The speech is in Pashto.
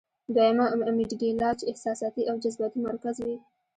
دويمه امېګډېلا چې احساساتي او جذباتي مرکز وي -